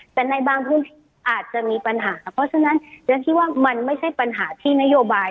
แต่ในบางพื้นที่อาจจะมีปัญหาเพราะฉะนั้นฉันคิดว่ามันไม่ใช่ปัญหาที่นโยบาย